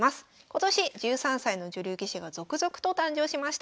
今年１３歳の女流棋士が続々と誕生しました。